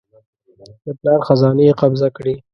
د پلار خزانې یې قبضه کړې.